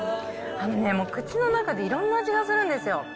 あのね、もう口の中でいろんな味がするんですよ。